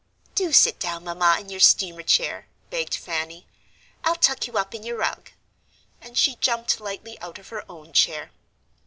"Do sit down, Mamma, in your steamer chair," begged Fanny; "I'll tuck you up in your rug." And she jumped lightly out of her own chair.